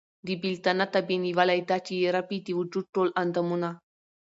د بېلتانه تبې نيولی ، دا چې ئې رپي د وجود ټول اندامونه